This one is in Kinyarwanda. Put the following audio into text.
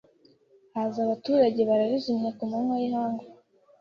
Haza abaturage bararizimya ku manywa y’ihangu